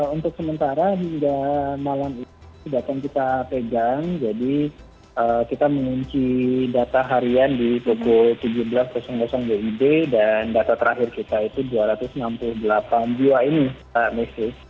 untuk sementara hingga malam ini data yang kita pegang jadi kita mengunci data harian di pukul tujuh belas wib dan data terakhir kita itu dua ratus enam puluh delapan jiwa ini